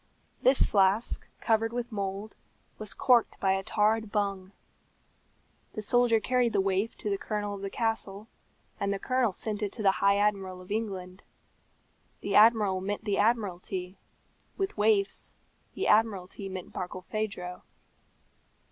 This flask, covered with mould, was corked by a tarred bung. The soldier carried the waif to the colonel of the castle, and the colonel sent it to the High Admiral of England. The Admiral meant the Admiralty; with waifs, the Admiralty meant Barkilphedro.